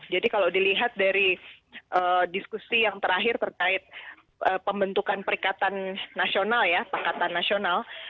jadi kalau dilihat dari diskusi yang terakhir terkait pembentukan perikatan nasional ya pakatan nasional